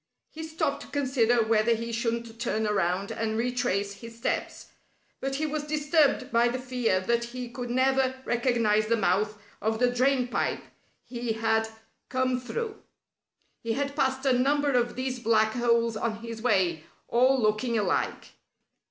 He stopped to consider whether he shouldn't turn around and retrace his steps; but he was disturbed by the fear that he could never recognize the mouth of the drain pipe he had come through. He had passed a number of these black holes on his way, all looking alike.